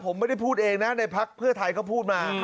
ผมไม่ได้พูดเองนะในพักเพื่อไทยเขาพูดมา